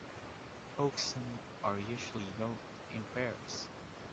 Oxen are usually yoked in pairs.